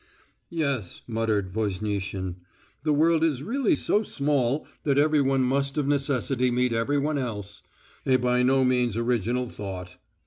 "Yes," muttered Voznitsin, "the world is really so small that everyone must of necessity meet everyone else" a by no means original thought."